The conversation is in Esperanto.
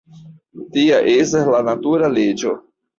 Tia estas la natura leĝo.